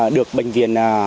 được bệnh viện